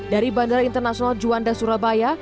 dari bandara internasional juanda surabaya